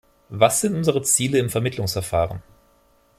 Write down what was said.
Was sind unsere Ziele im Vermittlungsverfahren?